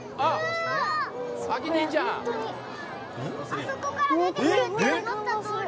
あそこから出てくるって思ったとおり！